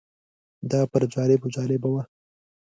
دا پر جالبو جالبه وه.